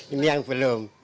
ini yang belum